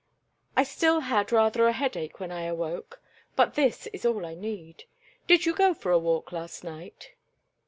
"I still had rather a headache when I awoke, but this is all I need. Did you go for a walk last night?"